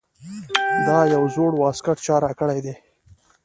دا یو زوړ واسکټ چا راکړے دے ـ